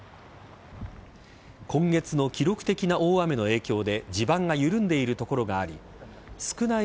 今月の記録的な大雨の影響で地盤が緩んでいる所があり少ない